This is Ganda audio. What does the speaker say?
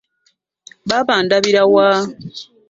Baaba ndabira wa?